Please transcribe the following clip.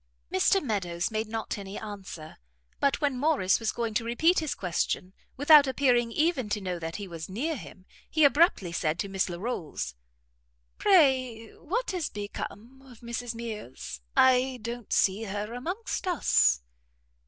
Mr Meadows made not any answer; but when Morrice was going to repeat his question, without appearing even to know that he was near him, he abruptly said to Miss Larolles, "Pray what is become of Mrs Mears? I don't see her amongst us."